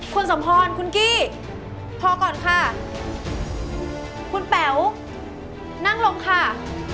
คุณสมพรคุณกี้พอก่อนค่ะคุณแป๋วนั่งลงค่ะ